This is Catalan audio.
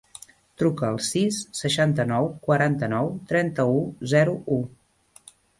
Truca al sis, seixanta-nou, quaranta-nou, trenta-u, zero, u.